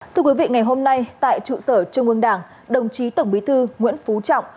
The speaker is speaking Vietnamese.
thưa quý vị ngày hôm nay tại trụ sở trung ương đảng đồng chí tổng bí thư nguyễn phú trọng